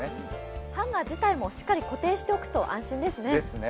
ハンガー自体もしっかり固定しておくと安心ですね。